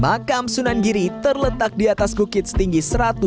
makam sunan giri terletak di atas gukit setinggi seratus